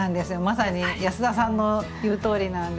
まさに安田さんの言うとおりなんです。